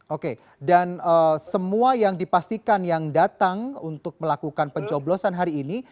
oke dan semua yang dipastikan yang datang untuk melakukan pencoblosan hari ini